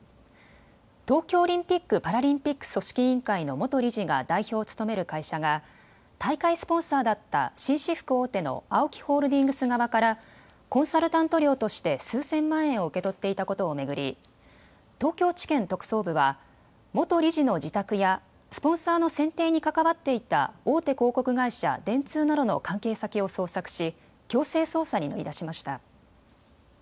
東京オリンピック・パラリンピック組織委員会の元理事が代表を務める会社が大会スポンサーだった紳士服大手のＡＯＫＩホールディングス側からコンサルタント料として数千万円を受け取っていたことを巡り東京地検特捜部は元理事の自宅やスポンサーの選定に関わっていた大手広告会社、電通などの関係先を捜索し強制捜査に乗り出しました。